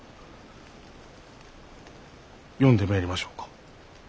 呼んでめえりましょうか？